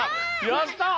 やった！